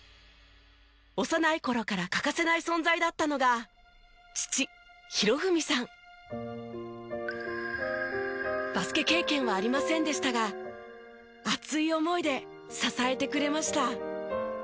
幼い頃から欠かせない存在だったのがバスケ経験はありませんでしたが熱い思いで支えてくれました。